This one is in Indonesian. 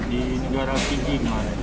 di negara pijing